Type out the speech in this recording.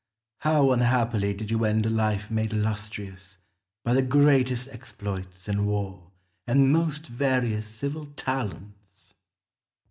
how unhappily did you end a life made illustrious by the greatest exploits in war and most various civil talents!